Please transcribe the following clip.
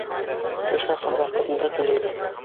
Эш хаҡын ваҡытында түләйбеҙ.